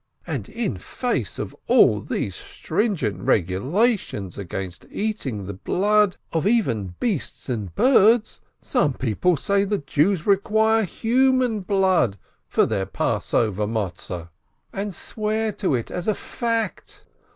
And in face of all these stringent regulations against eating the blood of even beasts and birds, some people say that Jews require human blood for their Passover cakes, THE CLEVE& MBBI 583 and swear to it as a fact